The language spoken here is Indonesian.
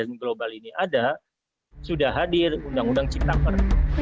dan global ini ada sudah hadir undang undang cipta per